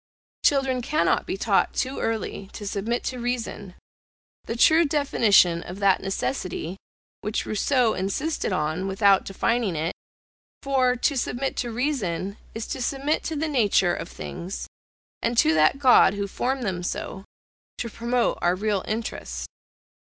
Children cannot be taught too early to submit to reason, the true definition of that necessity, which Rousseau insisted on, without defining it; for to submit to reason, is to submit to the nature of things, and to that God who formed them so, to promote our real interest.